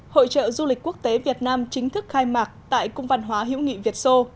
hội trợ du lịch quốc tế việt nam chính thức khai mạc tại cung văn hóa hữu nghị việt sô